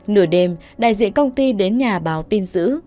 nửa đêm đại diện công ty đến nhà báo tin giữ